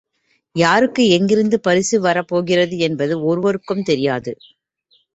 யாருக்கு எங்கிருந்து பரிசு வரப் போகிறது என்பதே ஒருவருக்கும் தெரியாது.